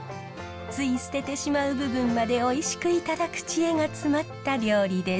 つい捨ててしまう部分までおいしくいただく知恵が詰まった料理です。